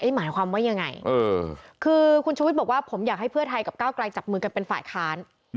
หมายความว่ายังไงคือคุณชุวิตบอกว่าผมอยากให้เพื่อไทยกับก้าวไกลจับมือกันเป็นฝ่ายค้าน